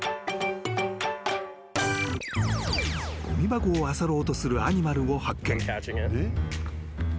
［ごみ箱をあさろうとするアニマルを発見］